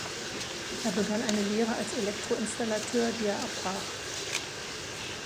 Er begann eine Lehre als Elektroinstallateur, die er abbrach.